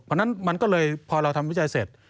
เพราะฉะนั้นมันก็เลยพอเราทำวิจัยเสร็จ